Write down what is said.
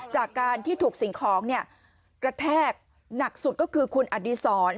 จากการที่ถูกสิ่งของกระแทกหนักสุดก็คือคุณอดีศร